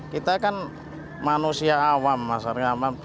kita kan manusia awam masyarakat awam